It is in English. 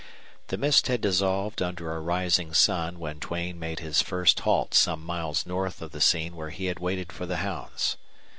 The mist had dissolved under a rising sun when Duane made his first halt some miles north of the scene where he had waited for the hounds.